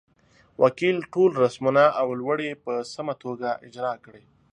وکیل ټول رسمونه او لوړې په سمه توګه اجرا کړې.